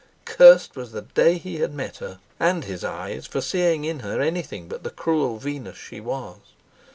Cursed was the day he had met her, and his eyes for seeing in her anything but the cruel Venus she was!